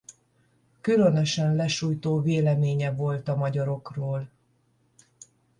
Különösen lesújtó véleménye volt a magyarokról.